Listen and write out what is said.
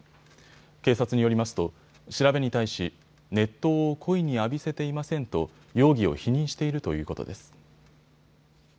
警察によりますと調べに対し、熱湯を故意に浴びせていませんと容疑を否認しているということです。